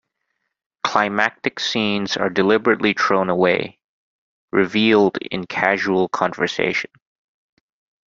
Climactic scenes are deliberately thrown away, revealed in casual conversation.